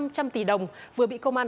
năm trăm linh tỷ đồng vừa bị công an